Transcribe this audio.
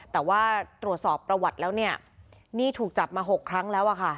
แต่ว่าตรวจสอบประวัติตรวจสอบ๖ครั้งแล้ว